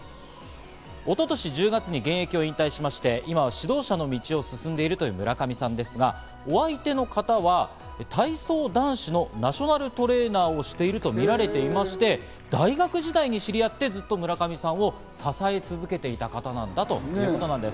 一昨年１０月に現役を引退しまして、今は指導者の道を進んでいるという村上さんですが、お相手の方は体操男子のナショナルトレーナーをしているとみられていまして、大学時代に知り合って、ずっと村上さんを支え続けていた方なんだということなんです。